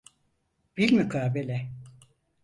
Bilmukabele.